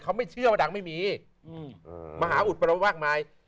เขาไม่เชื่อว่าดังไม่มีมหาอุดประมากมาย